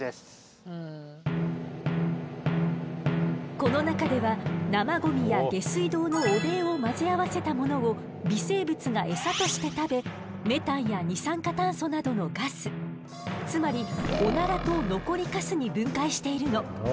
この中では生ゴミや下水道の汚泥を混ぜ合わせたものを微生物がエサとして食べメタンや二酸化炭素などのガスつまりオナラと残りカスに分解しているの。